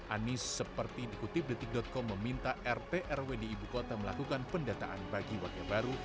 anies seperti dikutip detik com meminta rt rw di ibu kota melakukan pendataan bagi wakil baru